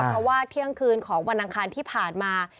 เพราะว่าเที่ยงคืนของวันอังคารที่ผ่านมา